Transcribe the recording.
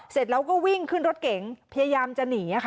เสร็จแล้วก็วิ่งขึ้นรถเก๋งพยายามจะหนีค่ะ